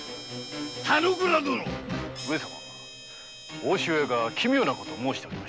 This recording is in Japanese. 大潮屋が奇妙なことを申しておりました。